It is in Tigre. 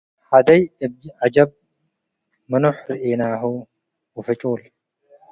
ሐደይ አብ ዐጀብ - ምኑሕ ረኤናሁ ወፍጩል፣